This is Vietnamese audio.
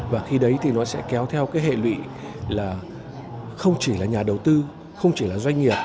và khi đấy thì nó sẽ kéo theo cái hệ lụy là không chỉ là nhà đầu tư không chỉ là doanh nghiệp